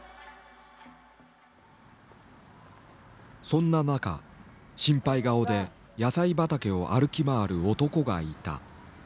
そんな中心配顔で野菜畑を歩き回る男がいた。